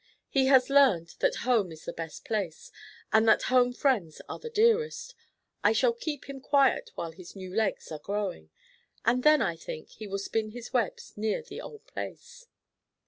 He has learned that home is the best place, and that home friends are the dearest. I shall keep him quiet while his new legs are growing, and then, I think, he will spin his webs near the old place."